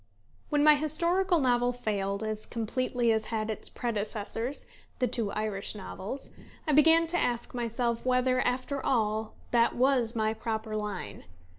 When my historical novel failed, as completely as had its predecessors, the two Irish novels, I began to ask myself whether, after all, that was my proper line.